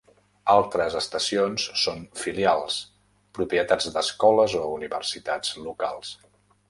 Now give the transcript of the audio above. Altres estacions són filials, propietat d'escoles o universitats locals.